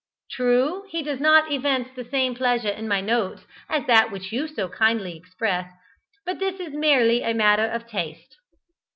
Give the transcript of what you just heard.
True, he does not evince the same pleasure in my notes as that which you so kindly express, but this is merely a matter of taste."